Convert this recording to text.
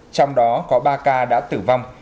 trong đó có ba ca đã tử vong